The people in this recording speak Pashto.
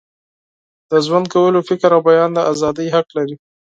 د ژوند کولو، فکر او بیان د ازادۍ حق لري.